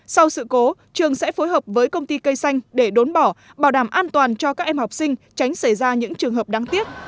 sau sự cố trường sẽ phối hợp với công ty cây xanh để đốn bỏ bảo đảm an toàn cho các em học sinh tránh xảy ra những trường hợp đáng tiếc